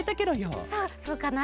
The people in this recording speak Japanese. そうそうかな？